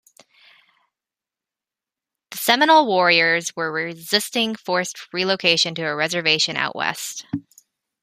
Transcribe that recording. The Seminole warriors were resisting forced relocation to a reservation out west.